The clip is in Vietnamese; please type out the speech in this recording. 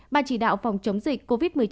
ban chỉ đạo phòng chống dịch covid một mươi chín